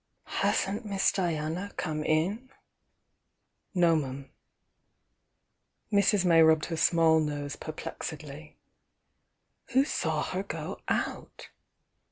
'Hasn't Miss Diana come in?" "No, 'm." Mra. May rubbed her smaU nose perplexedly. Who saw her go out?"